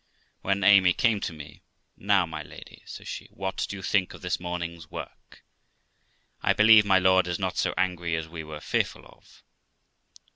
When Amy came to me, ' Now, my lady ', says she, ' what do you think of this morning's work? I believe my lord is not so angry as we were fearful of.'